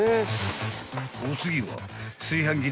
［お次は］